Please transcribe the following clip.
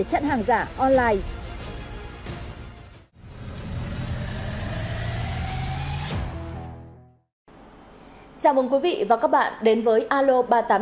chào mừng quý vị và các bạn đến với alo ba trăm tám mươi năm